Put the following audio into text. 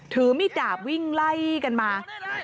ถือมีดดาบวิ่งไล่กันมา